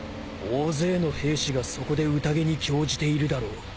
大勢の兵士がそこで宴に興じているだろう。